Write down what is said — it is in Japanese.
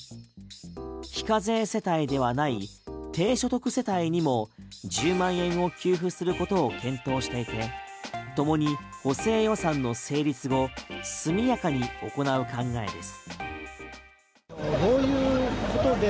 非課税世帯ではない低所得世帯にも１０万円を給付することを検討していてともに補正予算の成立後速やかに行う考えです。